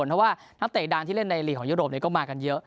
เพราะว่านักเตะดาวที่เล่นในหลียของเยอร์โรปเนี่ยก็มากันเยอะ